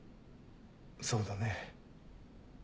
そうだね。